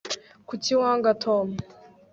kuki wanga tom